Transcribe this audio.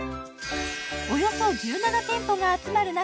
およそ１７店舗が集まる中